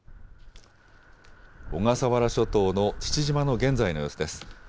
小笠原諸島の父島の現在の様子です。